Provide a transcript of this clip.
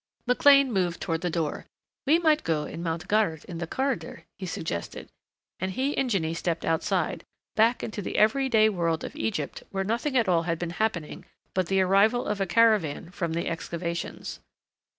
McLean moved toward the door. "We might go and mount guard in the corridor," he suggested, and he and Jinny stepped outside, back into the everyday world of Egypt where nothing at all had been happening but the arrival of a caravan from the excavations.